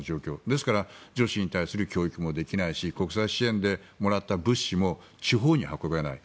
ですから女子に対する教育もできないし国際支援でもらった物資も地方に運べない。